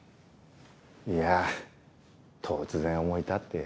いや突然思い立って。